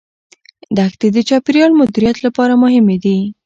دښتې د چاپیریال مدیریت لپاره مهمې دي.